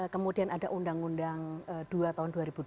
kemudian ada undang undang dua tahun dua ribu dua